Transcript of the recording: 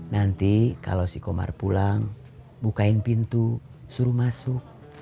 nanti kalau si komar pulang bukain pintu suruh masuk